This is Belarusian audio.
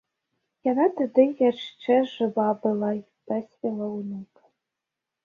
Яна тады яшчэ жыва была й пасвіла ўнука.